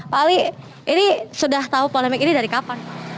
pak ali ini sudah tahu polemik ini dari kapan